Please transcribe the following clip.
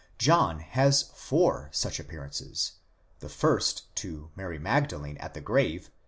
John has four such appearances: the first, to Mary Magdelene at the grave (xx.